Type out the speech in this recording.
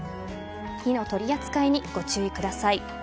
火の取り扱いにご注意ください。